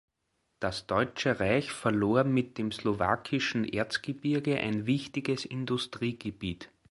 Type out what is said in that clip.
Das deutsche Reich verlor mit dem Slowakischen Erzgebirge ein wichtiges Industriegebiet.